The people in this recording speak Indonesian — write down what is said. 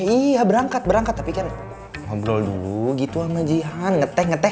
iya berangkat berangkat tapi kan ngobrol dulu gitu sama jihan ngetek ngetek